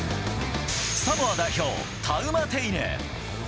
サモア代表、タウマテイネ。